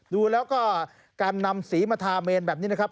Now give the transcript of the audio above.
ดูแล้วก็การนำสีมาทาเมนแบบนี้นะครับ